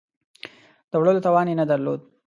د وړلو توان یې نه درلود.